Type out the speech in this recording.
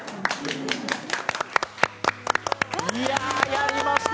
やりました！